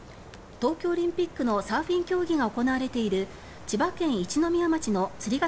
東京オリンピックのサーフィン競技が行われている千葉県一宮町の釣ケ